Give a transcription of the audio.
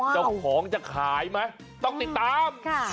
เจ้าของจะขายไหมต้องติดตาม